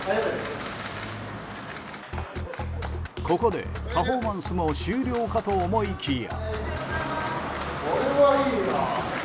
ここでパフォーマンスも終了かと思いきや。